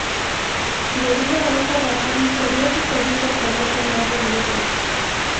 Debido a esta razón seria sucedido, por este nuevo grupo.